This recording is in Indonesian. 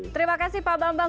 terima kasih pak bambang